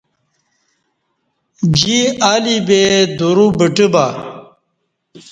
جی الی بے درو بٹہ بہ